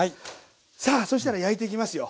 さあそしたら焼いていきますよ。